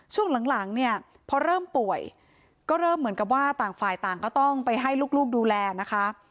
ช่วงหลังเนี่ยพอเริ่มป่วยก็เริ่มเหมือนกับว่าต่างฝ่ายต่างก็ต้องไปให้ลูกดูแลนะคะ